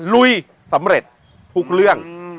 ลุยสำเร็จทุกเรื่อง